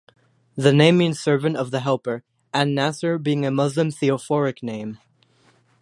The name means "servant of the Helper", "An-Nasser" being a Muslim theophoric name.